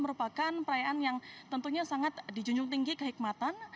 merupakan perayaan yang tentunya sangat dijunjung tinggi kehikmatan